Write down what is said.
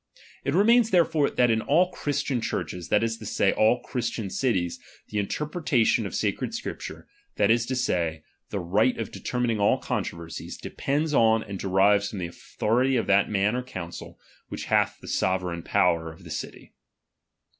It remains therefore that in all Christian Churches, that is to say, in all Christian cities, the interpretation of sacred Scripture, that is to say, the right of determining all controversies, depends on and derives from the authority of that man or council, which hath the sovereign power of the city.